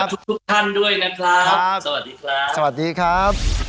ทุกทุกท่านด้วยนะครับสวัสดีครับสวัสดีครับ